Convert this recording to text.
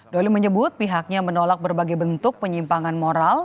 doli menyebut pihaknya menolak berbagai bentuk penyimpangan moral